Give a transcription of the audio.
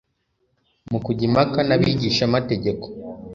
Mu kujya impaka n'abigishamategeko,